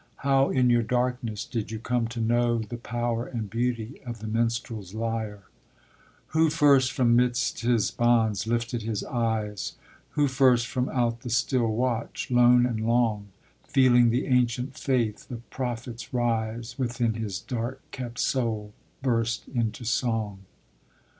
How, in your darkness, did you come to know The power and beauty of the minstrel's lyre? Who first from midst his bonds lifted his eyes? Who first from out the still watch, lone and long, Feeling the ancient faith of prophets rise Within his dark kept soul, burst into song?